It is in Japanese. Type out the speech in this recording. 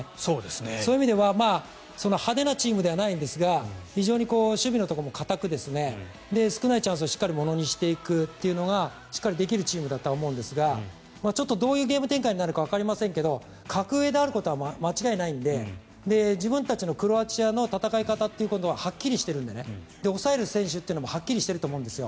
そういう意味では派手なチームではないですが非常に守備のところも堅く少ないチャンスをしっかりものにしていくというのがしっかりできるチームだと思うんですがどういうゲーム展開になるかわかりませんが格上であることは間違いないので自分たち、クロアチアの戦い方ははっきりしているんで抑える選手もはっきりしていると思うんですよ。